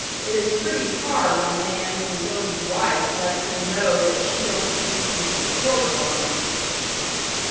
it is pretty hard on a man when his own wife lets him know that she don't think he can support her!"